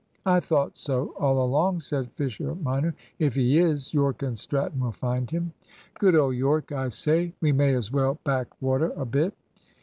"I thought so all along," said Fisher minor. "If he is, Yorke and Stratton will find him." "Good old Yorke! I say we may as well back water a bit."